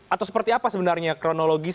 atau seperti apa sebenarnya kronologis